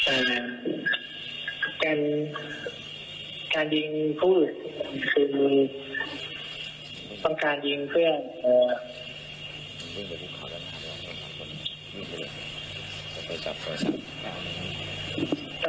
เอ่อเป็นการยิงผู้อื่นคือมีต้องการยิงเพื่อเอ่อ